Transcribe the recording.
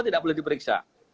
tidak boleh diperiksa